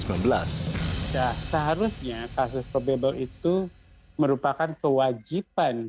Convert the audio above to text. nah seharusnya kasus probable itu merupakan kewajiban